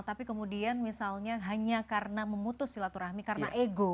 tapi kemudian misalnya hanya karena memutus silaturahmi karena ego